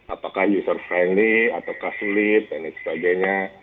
apakah user friendly apakah sulit dan sebagainya